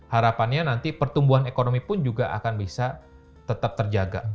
harapannya nanti pertumbuhan ekonomi pun juga akan bisa tetap terjaga